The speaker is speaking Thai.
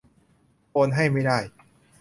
โอนให้ไม่ได้